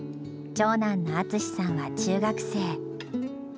長男の淳さんは中学生。